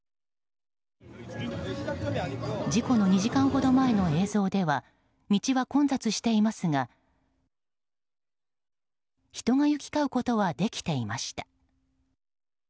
事故の２時間ほど前の映像では道は混雑していますが人が行き交うことはできていました。